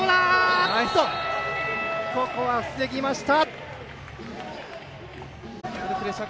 ここは、防ぎました。